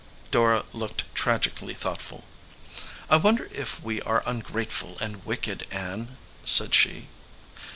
Dora looked tragically thoughtful. "I wonder if we are ungrateful and wicked, Ann," said she.